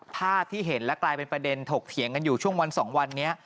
ภาพที่เห็นและกลายเป็นประเด็นถกเถียงกันอยู่ช่วงวัน๒วันนี้